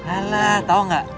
alah tahu nggak